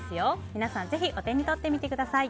皆さんぜひお手に取ってみてください。